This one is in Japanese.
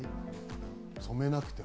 染めなくても？